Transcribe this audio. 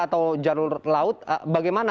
atau jalur laut bagaimana